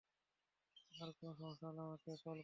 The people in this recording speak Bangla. আর কোন সমস্যা হলে আমাকে কল কোরো।